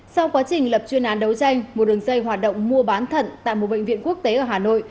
sau quá trình lập chuyên án đấu tranh một đường dây hoạt động mua bán thận tại một bệnh viện quốc tế ở hà nội